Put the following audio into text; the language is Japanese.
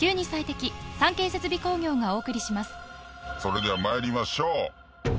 それでは参りましょう。